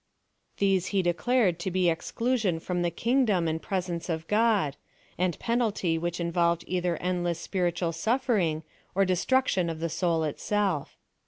These he declared to be exclusion from the king dom and presence of God, and penalty which in volved either endless spiritual suffering, or destruc tion of the soul itself.